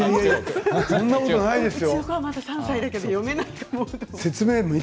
そんなことないですよ。